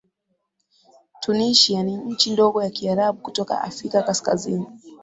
Tunisia ni nchi ndogo ya Kiarabu kutoka Afrika Kaskaizni